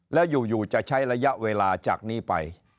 แล้วอยู่จะใช้ระยะเวลาจากนี้ไป